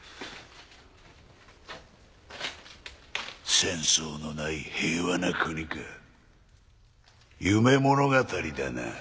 戦争のない平和な国か夢物語だな